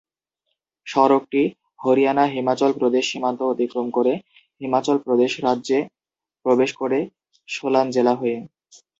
সড়কটি হরিয়ানা-হিমাচল প্রদেশ সীমান্ত অতিক্রম করে হিমাচল প্রদেশ রাজ্যে প্রবেশ করে সোলান জেলা হয়ে।